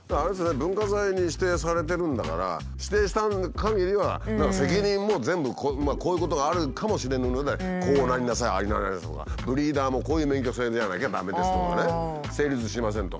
文化財に指定されてるんだから指定したかぎりは責任も全部こういうことがあるかもしれぬのでこうなりなさいああなりなさいとかブリーダーもこういう免許制じゃなきゃ駄目ですとかね成立しませんとか。